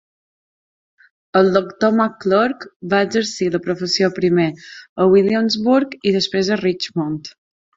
El doctor McClurg va exercir la professió primer a Williamsburg i després a Richmond.